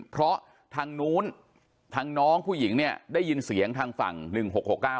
เพราะทางนู้นทางน้องผู้หญิงเนี่ยได้ยินเสียงทางฝั่งหนึ่งหกหกเก้า